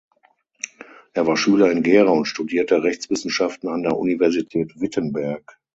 Er war Schüler in Gera und studierte Rechtswissenschaften an der Universität Wittenberg.